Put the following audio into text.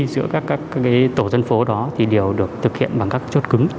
giữa các tổ dân phố đó thì đều được thực hiện bằng các chốt cứng